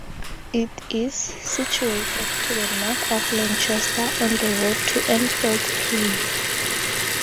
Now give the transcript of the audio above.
It is situated to the north of Lanchester, on the road to Annfield Plain.